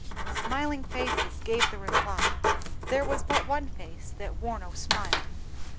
Smiling faces gave the reply. There was but one face that wore no smile.